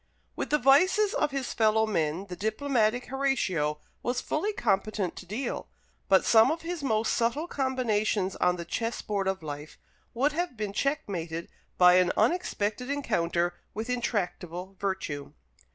With the vices of his fellow men the diplomatic Horatio was fully competent to deal; but some of his most subtle combinations on the chess board of life would have been checkmated by an unexpected encounter with intractable virtue.